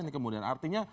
ini kemudian artinya